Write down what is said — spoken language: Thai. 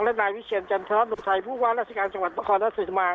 และนายวิเชียรจันทรรศนุภัยผู้ว่าราชิกาจังหวัดประคอร์นทรัศน์สุธรรมา